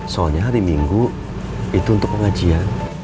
soalnya hari minggu itu untuk pengajian